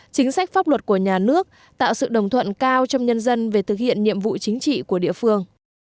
chính sách pháp luật của nhà nước tạo sự đồng thuận cao trong nhân dân về thực hiện nhiệm vụ chính trị của địa phương